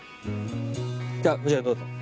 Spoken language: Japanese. こちらへどうぞ。